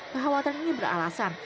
kehawatan ini beralasan